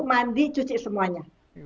mandi cuci semuanya